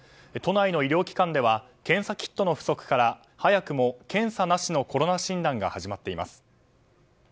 都内の医療機関では検査キットの不足から早くも検査なしのコロナ診断が始まっています。